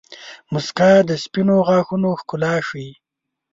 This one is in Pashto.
• مسکا د سپینو غاښونو ښکلا ښيي.